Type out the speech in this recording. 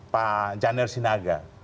pak janir sinaga